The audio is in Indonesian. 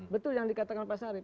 betul yang dikatakan pak sarif